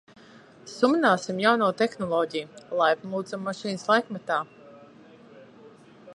Sumināsim jauno tehnoloģiju, Laipni lūdzam Mašīnas laikmetā!